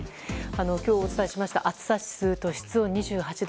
今日お伝えしました暑さ指数と室温２８度。